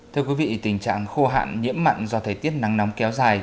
thưa quý vị tình trạng khô hạn nhiễm mặn do thời tiết nắng nóng kéo dài